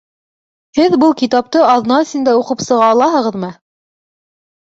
Һеҙ был китапты аҙна эсендә уҡып сыға алаһығыҙмы?